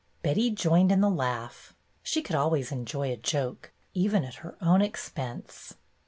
Betty joined in the laugh. She could always enjoy a joke, even at her own expense.